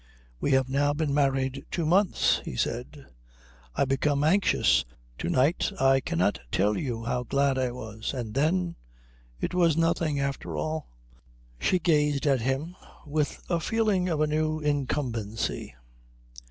"We have now been married two months," he said. "I become anxious. To night I cannot tell you how glad I was. And then it was nothing after all." She gazed at him with a feeling of a new incumbency.